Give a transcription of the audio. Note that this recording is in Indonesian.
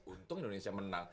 untung indonesia menang